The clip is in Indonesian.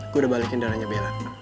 gue udah balikin dananya bella